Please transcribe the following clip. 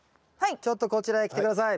ちょっとこちらへ来て下さい。